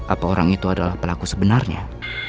apa orang itu adalah pelaku sebenarnya